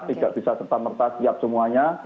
tidak bisa serta merta siap semuanya